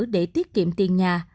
để tiết kiệm tiền nhà